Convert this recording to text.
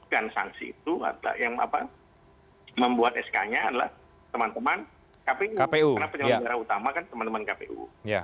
karena penyelenggara utama kan teman teman kpu